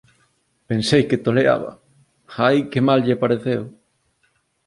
Pensei que toleaba! Ai que mal lle pareceu!